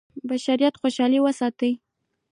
بشریت خوشاله وساتي.